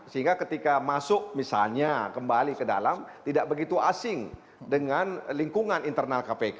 sehingga ketika masuk misalnya kembali ke dalam tidak begitu asing dengan lingkungan internal kpk